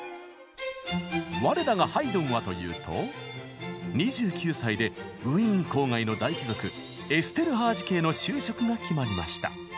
我らがハイドンはというと２９歳でウィーン郊外の大貴族エステルハージ家への就職が決まりました。